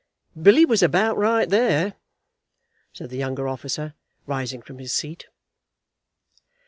'" "Billy was about right there," said the younger officer, rising from his seat.